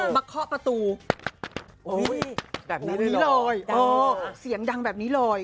เคาะประตูอุ้ยแบบนี้เลยเออเสียงดังแบบนี้เลย